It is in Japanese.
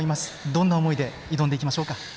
どんな思いで挑んでいきましょうか？